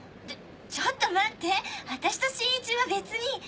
ちょっと待って私と新一は別に。